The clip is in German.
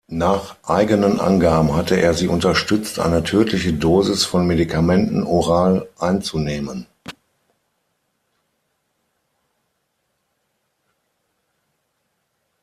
Nach eigenen Angaben hatte er sie unterstützt, eine tödliche Dosis von Medikamenten oral einzunehmen.